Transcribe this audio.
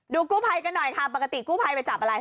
กู้ภัยกันหน่อยค่ะปกติกู้ภัยไปจับอะไร